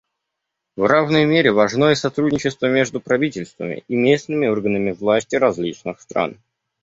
В равной мере важно и сотрудничество между правительствами и местными органами власти различных стран.